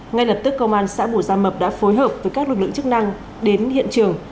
ngay lập tức công an xã bù gia mập đã phối hợp với các lực lượng chức năng đến hiện trường